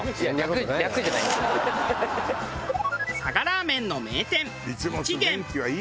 佐賀ラーメンの名店「いちげん。」。